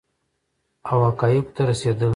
او حقایقو ته رسیدل